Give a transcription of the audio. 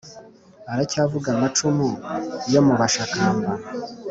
Aracyavuga amacumu yo mu Bashakamba